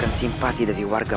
kalian pasti mau maling ya